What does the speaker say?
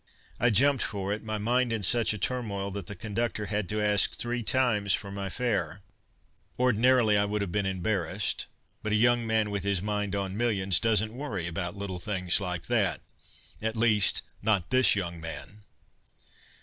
I jumped for it, my mind in such a turmoil that the conductor had to ask three times for my fare. Ordinarily, I would have been embarrassed, but a young man with his mind on millions doesn't worry about little things like that. At least, not this young man.